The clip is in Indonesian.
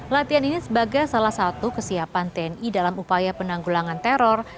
latihan ini sebagai salah satu kesiapan tni dalam upaya penanggulangan teror